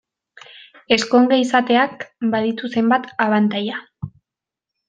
Ezkonge izateak baditu zenbait abantaila.